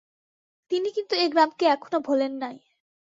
তিনি কিন্তু এ গ্রামকে এখনও ভোলেন নাই।